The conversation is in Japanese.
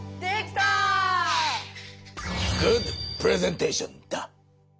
グッドプレゼンテーションだ！